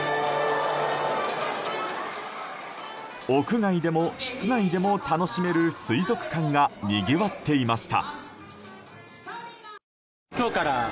屋外でも、室内でも楽しめる水族館がにぎわっていました。